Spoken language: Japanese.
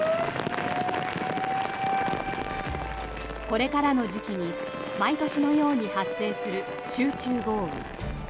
これからの時期に毎年のように発生する集中豪雨。